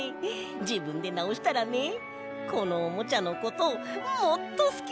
じぶんでなおしたらねこのおもちゃのこともっとすきになったんだ！